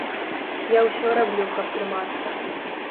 Я ўсё раблю, каб трымацца.